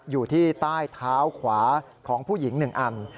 อยู่ที่ใต้เท้าขวาของผู้หญิง๑อัน